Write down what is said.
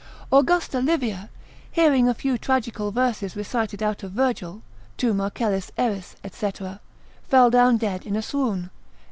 Augusta Livia hearing a few tragical verses recited out of Virgil, Tu Marcellus eris, &c., fell down dead in a swoon.